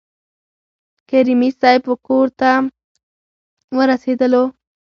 کریمي صیب کورته ورسېدلو.